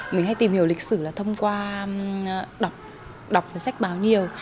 mình hay tìm hiểu lịch sử là thông qua đọc sách báo nhiều